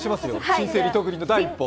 新生リトグリの第一歩。